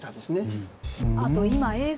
あと今映像